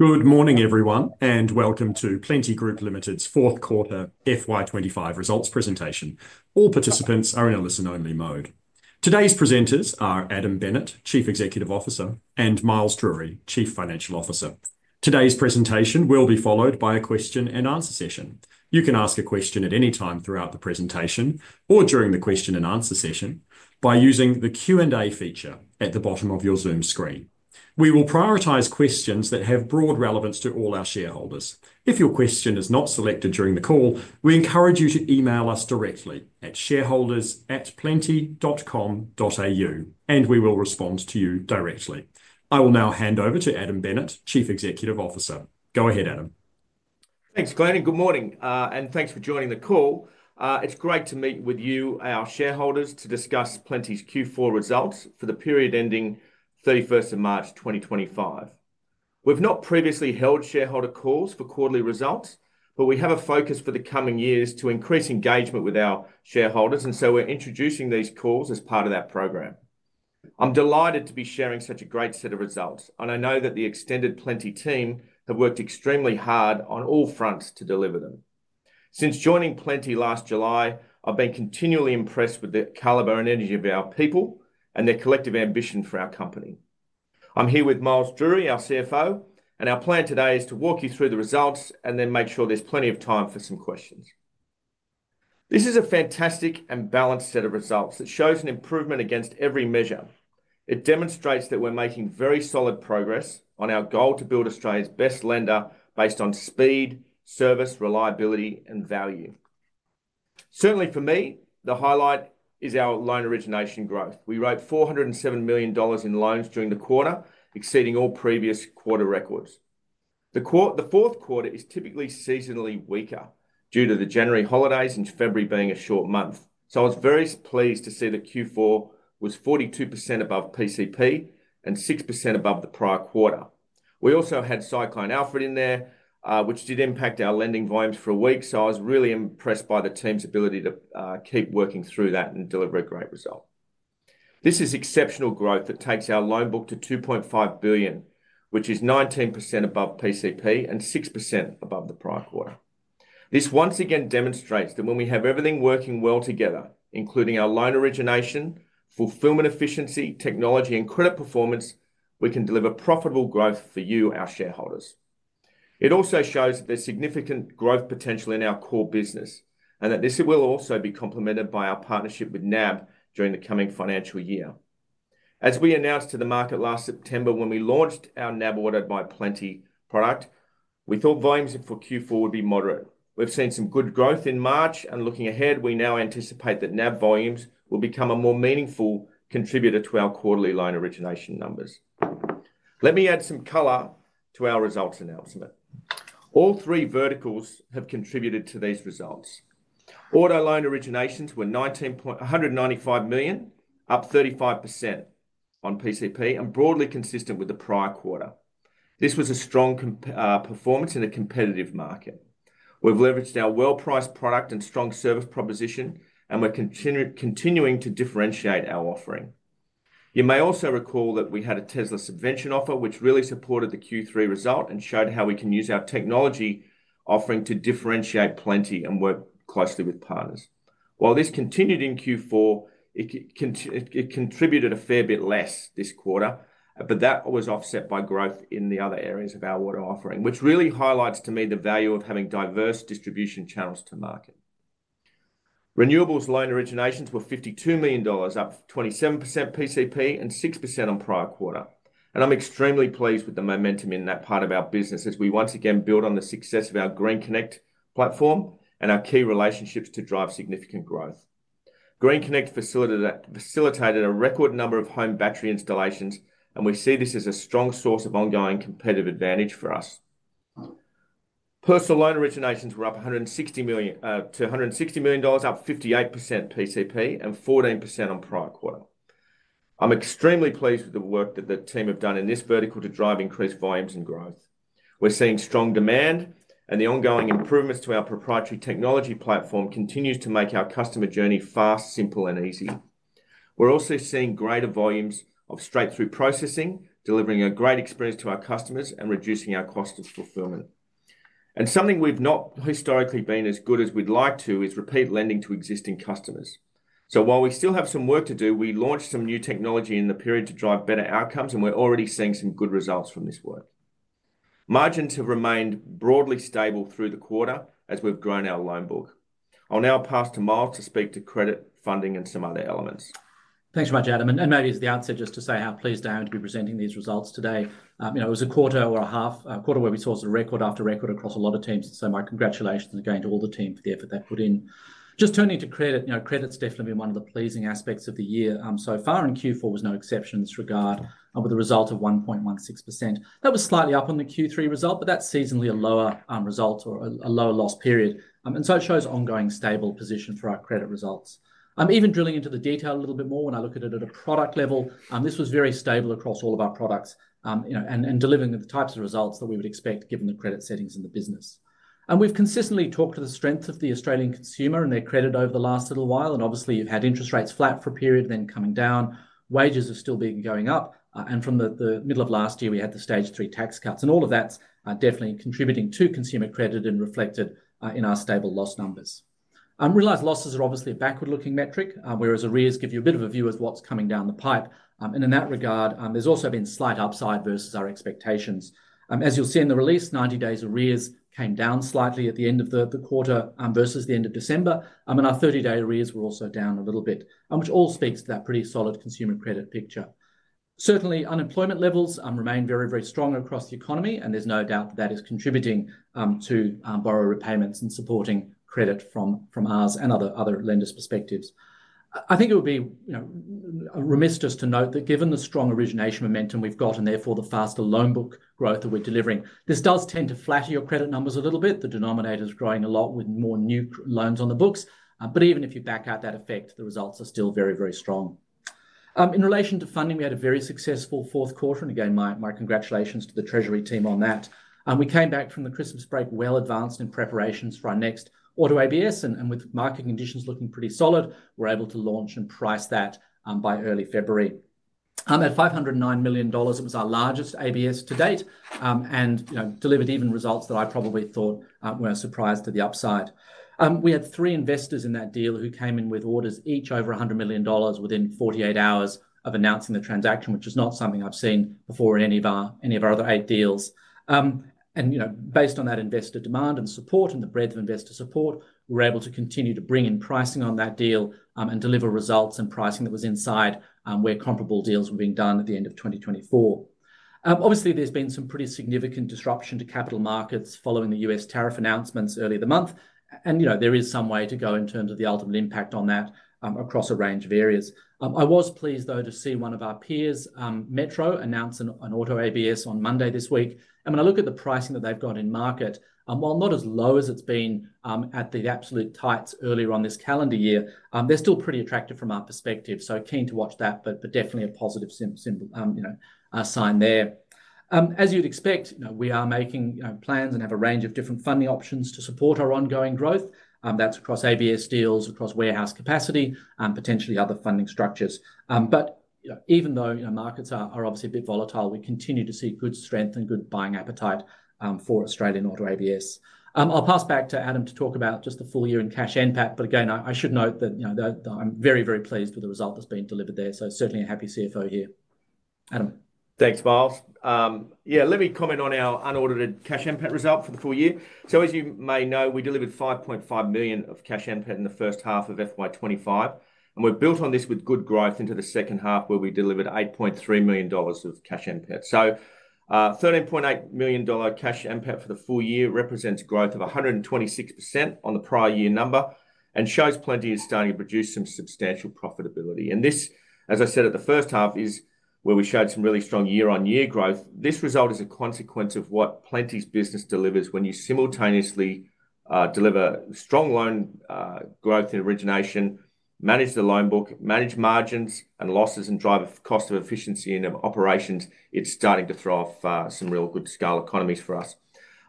Good morning, everyone, and welcome to Plenti Group Limited's fourth quarter FY2025 results presentation. All participants are in a listen-only mode. Today's presenters are Adam Bennett, Chief Executive Officer, and Miles Drury, Chief Financial Officer. Today's presentation will be followed by a question-and-answer session. You can ask a question at any time throughout the presentation or during the question-and-answer session by using the Q&A feature at the bottom of your Zoom screen. We will prioritize questions that have broad relevance to all our shareholders. If your question is not selected during the call, we encourage you to email us directly at shareholders@plenti.com.au, and we will respond to you directly. I will now hand over to Adam Bennett, Chief Executive Officer. Go ahead, Adam. Thanks, Glenn, and good morning, and thanks for joining the call. It's great to meet with you, our shareholders, to discuss Plenti's Q4 results for the period ending 31 March 2025. We've not previously held shareholder calls for quarterly results, but we have a focus for the coming years to increase engagement with our shareholders, and so we're introducing these calls as part of that program. I'm delighted to be sharing such a great set of results, and I know that the extended Plenti team have worked extremely hard on all fronts to deliver them. Since joining Plenti last July, I've been continually impressed with the caliber and energy of our people and their collective ambition for our company. I'm here with Miles Drury, our CFO, and our plan today is to walk you through the results and then make sure there's plenty of time for some questions. This is a fantastic and balanced set of results that shows an improvement against every measure. It demonstrates that we're making very solid progress on our goal to build Australia's best lender based on speed, service, reliability, and value. Certainly, for me, the highlight is our loan origination growth. We wrote 407 million dollars in loans during the quarter, exceeding all previous quarter records. The fourth quarter is typically seasonally weaker due to the January holidays and February being a short month, so I was very pleased to see that Q4 was 42% above PCP and 6% above the prior quarter. We also had cyclone Alfred in there, which did impact our lending volumes for a week, so I was really impressed by the team's ability to keep working through that and deliver a great result. This is exceptional growth that takes our loan book to 2.5 billion, which is 19% above PCP and 6% above the prior quarter. This once again demonstrates that when we have everything working well together, including our loan origination, fulfillment efficiency, technology, and credit performance, we can deliver profitable growth for you, our shareholders. It also shows that there is significant growth potential in our core business and that this will also be complemented by our partnership with NAB during the coming financial year. As we announced to the market last September when we launched our NAB powered by Plenti product, we thought volumes for Q4 would be moderate. We have seen some good growth in March, and looking ahead, we now anticipate that NAB volumes will become a more meaningful contributor to our quarterly loan origination numbers. Let me add some color to our results announcement. All three verticals have contributed to these results. Auto loan originations were 195 million, up 35% on PCP, and broadly consistent with the prior quarter. This was a strong performance in a competitive market. We've leveraged our well-priced product and strong service proposition, and we're continuing to differentiate our offering. You may also recall that we had a Tesla subvention offer, which really supported the Q3 result and showed how we can use our technology offering to differentiate Plenti and work closely with partners. While this continued in Q4, it contributed a fair bit less this quarter, but that was offset by growth in the other areas of our auto offering, which really highlights to me the value of having diverse distribution channels to market. Renewables loan originations were 52 million dollars, up 27% PCP and 6% on prior quarter, and I'm extremely pleased with the momentum in that part of our business as we once again build on the success of our GreenConnect platform and our key relationships to drive significant growth. GreenConnect facilitated a record number of home battery installations, and we see this as a strong source of ongoing competitive advantage for us. Personal loan originations were up to 160 million dollars, up 58% PCP and 14% on prior quarter. I'm extremely pleased with the work that the team have done in this vertical to drive increased volumes and growth. We're seeing strong demand, and the ongoing improvements to our proprietary technology platform continue to make our customer journey fast, simple, and easy. We're also seeing greater volumes of straight-through processing, delivering a great experience to our customers and reducing our cost of fulfillment. Something we've not historically been as good as we'd like to is repeat lending to existing customers. While we still have some work to do, we launched some new technology in the period to drive better outcomes, and we're already seeing some good results from this work. Margins have remained broadly stable through the quarter as we've grown our loan book. I'll now pass to Miles to speak to credit, funding, and some other elements. Thanks very much, Adam. Maybe as the answer, just to say how pleased I am to be presenting these results today. It was a quarter or a half quarter where we saw sort of record after record across a lot of teams, so my congratulations again to all the team for the effort they put in. Just turning to credit, credit's definitely been one of the pleasing aspects of the year so far, and Q4 was no exception in this regard with a result of 1.16%. That was slightly up on the Q3 result, but that's seasonally a lower result or a lower loss period, and so it shows ongoing stable position for our credit results. Even drilling into the detail a little bit more when I look at it at a product level, this was very stable across all of our products and delivering the types of results that we would expect given the credit settings in the business. We've consistently talked to the strength of the Australian consumer and their credit over the last little while, and obviously you've had interest rates flat for a period, then coming down, wages are still going up, and from the middle of last year we had the stage three tax cuts, and all of that's definitely contributing to consumer credit and reflected in our stable loss numbers. Realized losses are obviously a backward-looking metric, whereas arrears give you a bit of a view of what's coming down the pipe, and in that regard, there's also been slight upside versus our expectations. As you'll see in the release, 90-day arrears came down slightly at the end of the quarter versus the end of December, and our 30-day arrears were also down a little bit, which all speaks to that pretty solid consumer credit picture. Certainly, unemployment levels remain very, very strong across the economy, and there's no doubt that that is contributing to borrower repayments and supporting credit from ours and other lenders' perspectives. I think it would be remiss just to note that given the strong origination momentum we've got and therefore the faster loan book growth that we're delivering, this does tend to flatten your credit numbers a little bit. The denominator's growing a lot with more new loans on the books, but even if you back out that effect, the results are still very, very strong. In relation to funding, we had a very successful fourth quarter, and again, my congratulations to the Treasury team on that. We came back from the Christmas break well advanced in preparations for our next auto ABS, and with market conditions looking pretty solid, we were able to launch and price that by early February. At 509 million dollars, it was our largest ABS to date and delivered even results that I probably thought were a surprise to the upside. We had three investors in that deal who came in with orders each over 100 million dollars within 48 hours of announcing the transaction, which is not something I have seen before in any of our other eight deals. Based on that investor demand and support and the breadth of investor support, we were able to continue to bring in pricing on that deal and deliver results and pricing that was inside where comparable deals were being done at the end of 2024. Obviously, there has been some pretty significant disruption to capital markets following the U.S. tariff announcements earlier this month, and there is some way to go in terms of the ultimate impact on that across a range of areas. I was pleased, though, to see one of our peers, Metro, announce an auto ABS on Monday this week, and when I look at the pricing that they have got in market, while not as low as it has been at the absolute tights earlier on this calendar year, they are still pretty attractive from our perspective, so keen to watch that, but definitely a positive sign there. As you'd expect, we are making plans and have a range of different funding options to support our ongoing growth. That's across ABS deals, across warehouse capacity, and potentially other funding structures. Even though markets are obviously a bit volatile, we continue to see good strength and good buying appetite for Australian auto ABS. I'll pass back to Adam to talk about just the full year in cash impact, but again, I should note that I'm very, very pleased with the result that's been delivered there, so certainly a happy CFO here. Adam. Thanks, Miles. Yeah, let me comment on our unaudited cash impact result for the full year. As you may know, we delivered 5.5 million of cash impact in the first half of FY2025, and we have built on this with good growth into the second half where we delivered 8.3 million dollars of cash impact. 13.8 million dollar cash impact for the full year represents growth of 126% on the prior year number and shows Plenti is starting to produce some substantial profitability. This, as I said at the first half, is where we showed some really strong year-on-year growth. This result is a consequence of what Plenti's business delivers when you simultaneously deliver strong loan growth in origination, manage the loan book, manage margins and losses, and drive a cost of efficiency in operations. It is starting to throw off some real good scale economies for us.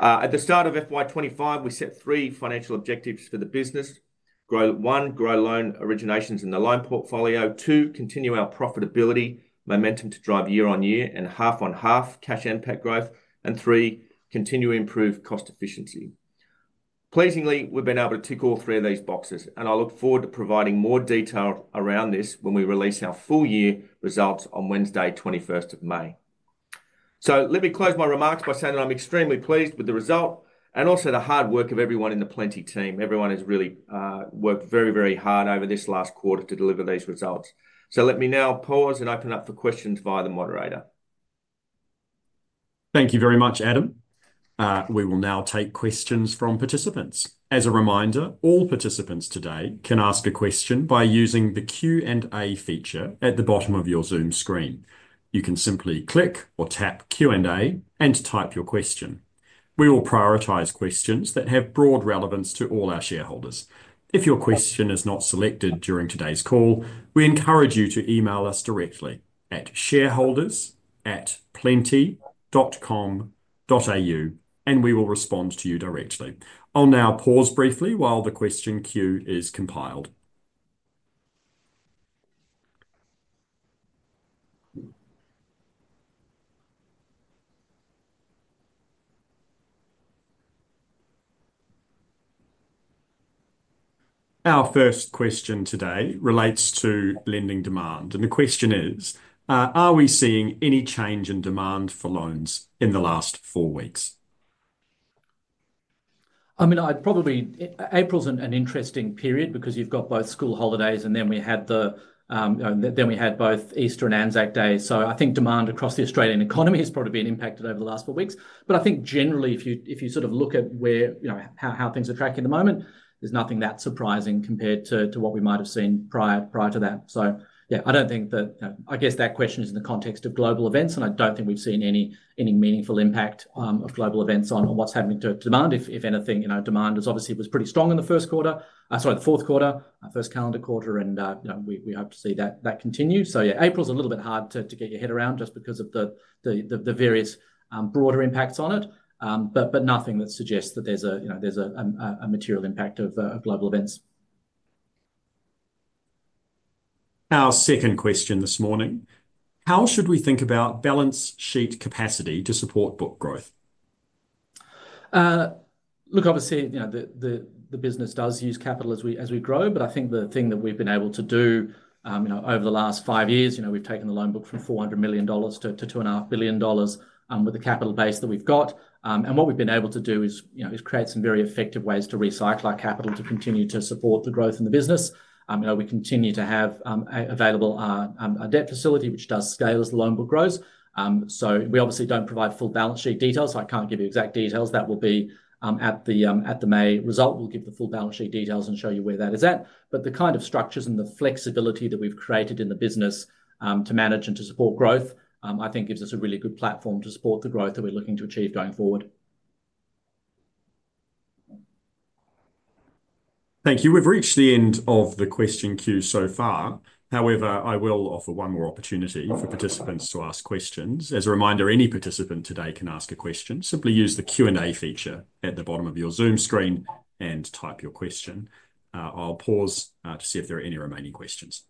At the start of FY25, we set three financial objectives for the business. One, grow loan originations in the loan portfolio. Two, continue our profitability momentum to drive year-on-year and half-on-half cash impact growth. Three, continue to improve cost efficiency. Pleasingly, we've been able to tick all three of these boxes, and I look forward to providing more detail around this when we release our full year results on Wednesday, 21 May. Let me close my remarks by saying that I'm extremely pleased with the result and also the hard work of everyone in the Plenti team. Everyone has really worked very, very hard over this last quarter to deliver these results. Let me now pause and open up for questions via the moderator. Thank you very much, Adam. We will now take questions from participants. As a reminder, all participants today can ask a question by using the Q&A feature at the bottom of your Zoom screen. You can simply click or tap Q&A and type your question. We will prioritize questions that have broad relevance to all our shareholders. If your question is not selected during today's call, we encourage you to email us directly at shareholders@plenti.com.au, and we will respond to you directly. I'll now pause briefly while the question queue is compiled. Our first question today relates to lending demand, and the question is, are we seeing any change in demand for loans in the last four weeks? I mean, April's an interesting period because you've got both school holidays, and then we had both Easter and ANZAC day. I think demand across the Australian economy has probably been impacted over the last four weeks. I think generally, if you sort of look at how things are tracking at the moment, there's nothing that surprising compared to what we might have seen prior to that. Yeah, I don't think that, I guess that question is in the context of global events, and I don't think we've seen any meaningful impact of global events on what's happening to demand. If anything, demand was obviously pretty strong in the first quarter, sorry, the fourth quarter, our first calendar quarter, and we hope to see that continue. April's a little bit hard to get your head around just because of the various broader impacts on it, but nothing that suggests that there's a material impact of global events. Our second question this morning, how should we think about balance sheet capacity to support book growth? Look, obviously, the business does use capital as we grow, but I think the thing that we've been able to do over the last five years, we've taken the loan book from 400 million dollars to 2.5 billion dollars with the capital base that we've got. What we've been able to do is create some very effective ways to recycle our capital to continue to support the growth in the business. We continue to have available a debt facility which does scale as the loan book grows. We obviously do not provide full balance sheet details, so I can't give you exact details. That will be at the May result. We will give the full balance sheet details and show you where that is at. The kind of structures and the flexibility that we've created in the business to manage and to support growth, I think gives us a really good platform to support the growth that we're looking to achieve going forward. Thank you. We've reached the end of the question queue so far. However, I will offer one more opportunity for participants to ask questions. As a reminder, any participant today can ask a question. Simply use the Q&A feature at the bottom of your Zoom screen and type your question. I'll pause to see if there are any remaining questions.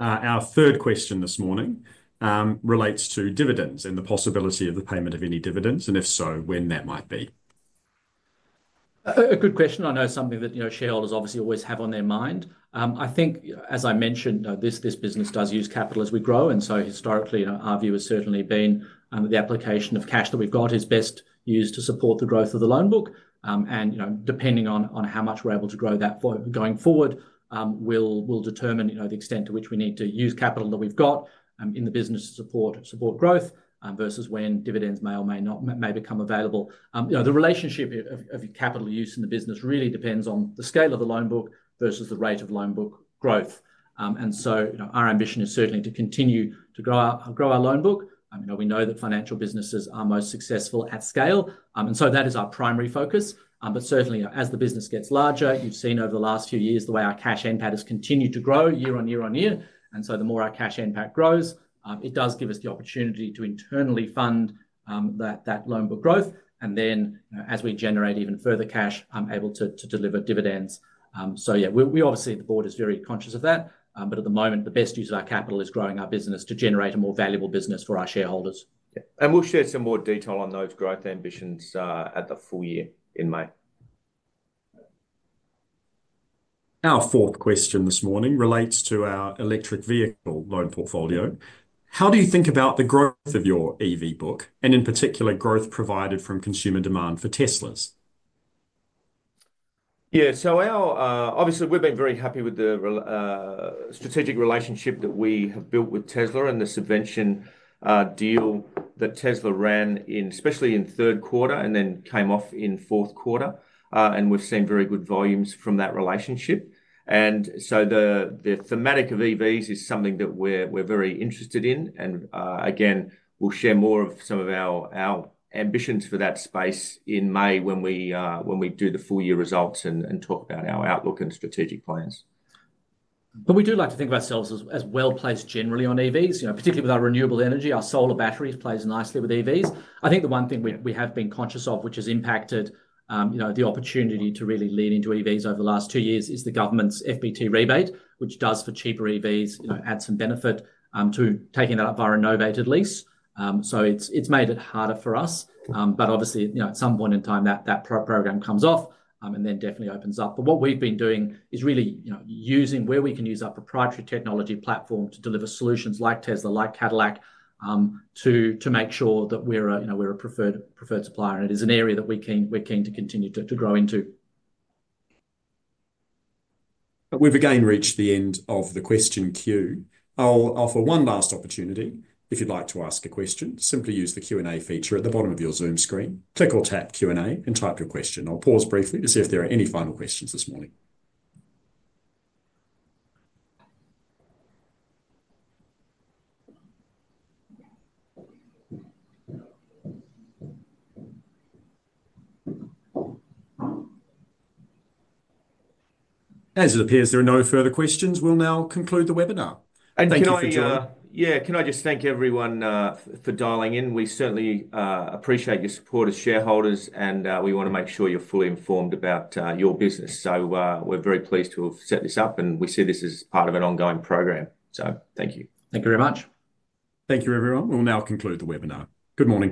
Our third question this morning relates to dividends and the possibility of the payment of any dividends, and if so, when that might be. A good question. I know something that shareholders obviously always have on their mind. I think, as I mentioned, this business does use capital as we grow, and so historically, our view has certainly been that the application of cash that we've got is best used to support the growth of the loan book. Depending on how much we're able to grow that going forward, we'll determine the extent to which we need to use capital that we've got in the business to support growth versus when dividends may or may not become available. The relationship of capital use in the business really depends on the scale of the loan book versus the rate of loan book growth. Our ambition is certainly to continue to grow our loan book. We know that financial businesses are most successful at scale, and so that is our primary focus. Certainly, as the business gets larger, you've seen over the last few years the way our cash impact has continued to grow year-on-year-on-year. The more our cash impact grows, it does give us the opportunity to internally fund that loan book growth, and then as we generate even further cash, I'm able to deliver dividends. Yeah, we obviously, the board is very conscious of that, but at the moment, the best use of our capital is growing our business to generate a more valuable business for our shareholders. We will share some more detail on those growth ambitions at the full year in May. Our fourth question this morning relates to our electric vehicle loan portfolio. How do you think about the growth of your EV book and in particular growth provided from consumer demand for Teslas? Yeah, obviously, we've been very happy with the strategic relationship that we have built with Tesla and the subvention deal that Tesla ran in, especially in third quarter, and then came off in fourth quarter. We've seen very good volumes from that relationship. The thematic of EVs is something that we're very interested in. Again, we'll share more of some of our ambitions for that space in May when we do the full year results and talk about our outlook and strategic plans. We do like to think of ourselves as well placed generally on EVs, particularly with our renewable energy. Our solar batteries plays nicely with EVs. I think the one thing we have been conscious of, which has impacted the opportunity to really lean into EVs over the last two years, is the government's FBT rebate, which does for cheaper EVs add some benefit to taking that up via a novated lease. It has made it harder for us, but obviously, at some point in time, that program comes off and then definitely opens up. What we have been doing is really using where we can use our proprietary technology platform to deliver solutions like Tesla, like Cadillac, to make sure that we are a preferred supplier. It is an area that we are keen to continue to grow into. We've again reached the end of the question queue. I'll offer one last opportunity. If you'd like to ask a question, simply use the Q&A feature at the bottom of your Zoom screen. Click or tap Q&A and type your question. I'll pause briefly to see if there are any final questions this morning. As it appears, there are no further questions. We'll now conclude the webinar. Yeah, can I just thank everyone for dialing in? We certainly appreciate your support as shareholders, and we want to make sure you're fully informed about your business. We are very pleased to have set this up, and we see this as part of an ongoing program. Thank you. Thank you very much. Thank you, everyone. We'll now conclude the webinar. Good morning.